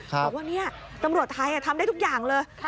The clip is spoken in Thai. บอกว่านี่ตำรวจไทยทำได้ทุกอย่างเลย